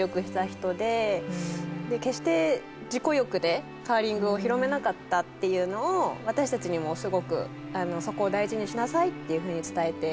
決して自己欲でカーリングを広めなかったっていうのを私たちにもすごくそこを大事にしなさいっていう風に伝えてくれて。